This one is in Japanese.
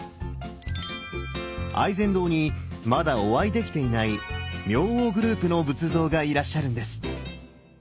愛染堂にまだお会いできていない明王グループの仏像がいらっしゃるんです！